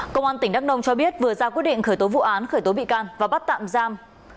công an tỉnh đắk nông cho biết vừa ra quyết định khởi tố vụ án khởi tố bị can và bắt tạm giam